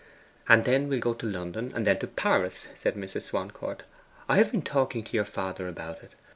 'And then we'll go to London, and then to Paris,' said Mrs. Swancourt. 'I have been talking to your father about it.